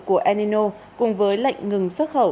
của el nino cùng với lệnh ngừng xuất khẩu